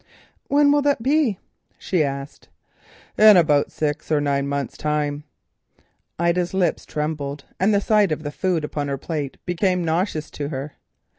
"When will that be?" she asked. "In about six or nine months' time." Ida's lips trembled, and the sight of the food upon her plate became nauseous to her.